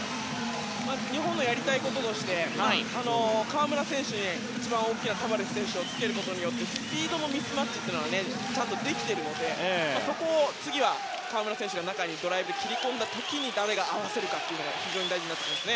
日本がやりたいこととして河村選手に一番大きなタバレス選手をつけることによってスピードのミスマッチがちゃんとできているのでそこを次は河村選手が中にドライブで切り込んだ時に誰が合わせるかが非常に大事になってきます。